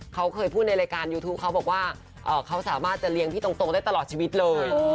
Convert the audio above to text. เขาเคยพูดในรายการยูทูปเขาบอกว่าเขาสามารถจะเลี้ยงพี่ตรงได้ตลอดชีวิตเลย